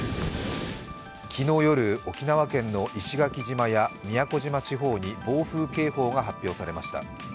昨日夜、沖縄県の石垣島や宮古島地方に暴風警報が発表されました。